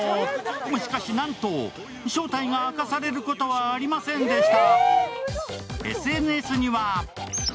しかし、なんと正体が明かされることはありませんでした。